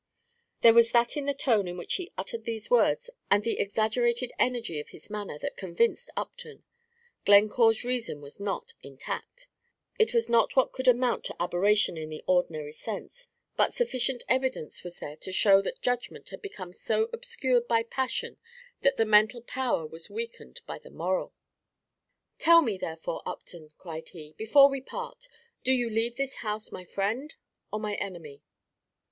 There was that in the tone in which he uttered these words, and the exaggerated energy of his manner, that convinced Upton, Glencore's reason was not intact. It was not what could amount to aberration in the ordinary sense, but sufficient evidence was there to show that judgment had become so obscured by passion that the mental power was weakened by the moral. "Tell me, therefore, Upton," cried he, "before we part, do you leave this house my friend or my enemy?"